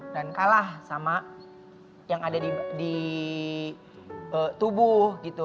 dan kalah sama yang ada di tubuh gitu